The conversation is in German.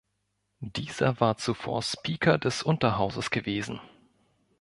Dieser war zuvor Speaker des Unterhauses gewesen.